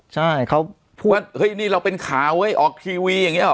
ใช่เขาพูดว่าเฮ้ยนี่เราเป็นข่าวเว้ยออกทีวีอย่างนี้หรอ